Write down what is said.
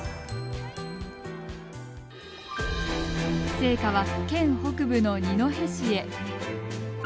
聖火は、県北部の二戸市へ。